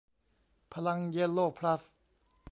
พลัง "เยลโลพลัส"